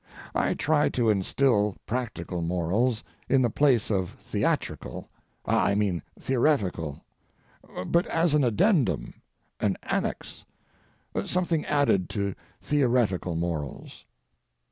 I try to instil practical morals in the place of theatrical—I mean theoretical; but as an addendum—an annex—something added to theoretical morals.